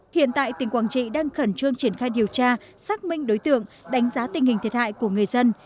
hiện tại tỉnh quảng trị đang khẩn trương triển khai điều tra xác minh đối tượng đánh giá tình hình thiệt hại của người dân